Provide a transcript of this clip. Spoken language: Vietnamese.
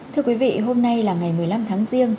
thưa quý vị hôm nay là ngày một mươi năm tháng riêng